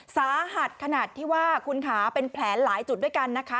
สาหัสขนาดที่ว่าคุณขาเป็นแผลหลายจุดด้วยกันนะคะ